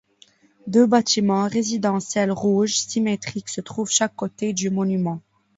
Deux bâtiments résidentiels rouges symétriques se trouvent chaque côté du monument.